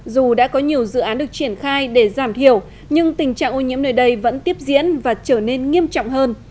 dù đã có nhiều dự án được triển khai để giảm thiểu nhưng tình trạng ô nhiễm nơi đây vẫn tiếp diễn và trở nên nghiêm trọng hơn